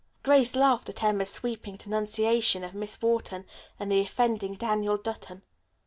Grace laughed at Emma's sweeping denunciation of Miss Wharton and the offending Daniel Dutton.